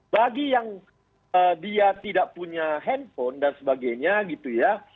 bagi yang dia tidak punya handphone dan sebagainya gitu ya